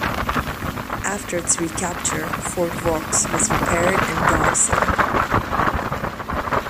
After its recapture, Fort Vaux was repaired and garrisoned.